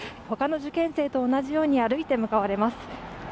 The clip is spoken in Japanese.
他の受験生と同じように歩いて向かわれます。